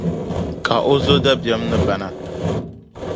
Ka o zo dabiεm ni bana.